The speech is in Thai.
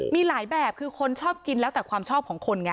มีหลายแบบคือคนชอบกินแล้วแต่ความชอบของคนไง